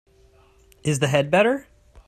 Is the head better?